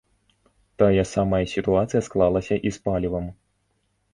Тая самая сітуацыя склалася і з палівам.